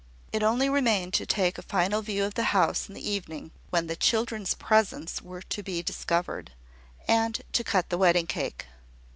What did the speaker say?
It only remained to take a final view of the house in the evening (when the children's presents were to be discovered), and to cut the wedding cake.